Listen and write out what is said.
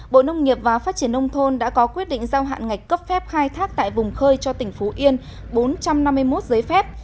bộ nông nghiệp và phát triển nông thôn đã có quyết định giao hạn ngạch cấp phép khai thác tại vùng khơi cho tỉnh phú yên bốn trăm năm mươi một giấy phép